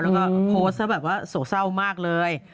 แล้วก็โพสต์ซะแบบว่าโศกเศร้ามากเลย